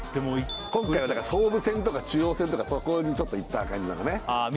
今回は総武線とか中央線とかそこに行った感じだねああ